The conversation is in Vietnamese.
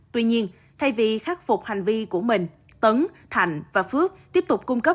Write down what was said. tuy nhiên thay vì khắc phục hành vi của mình tấn thạnh và phước tiếp tục cung cấp